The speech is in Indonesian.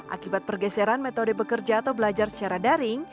akibat pergeseran metode bekerja atau belajar secara daring